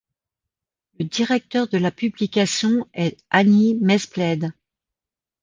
Le directeur de la publication est Annie Mesplède.